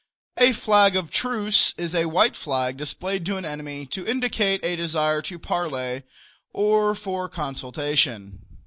A "flag of truce" is a white flag displayed to an enemy to indicate a desire to parley or for consultation.